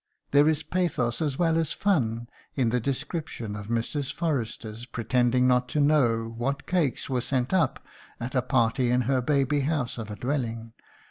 There is pathos as well as fun in the description of Mrs. Forrester pretending not to know what cakes were sent up "at a party in her baby house of a dwelling